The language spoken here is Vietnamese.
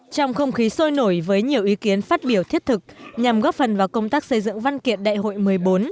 trong không khí sôi nổi với nhiều ý kiến phát biểu thiết thực nhằm góp phần vào công tác xây dựng văn kiện đại hội một mươi bốn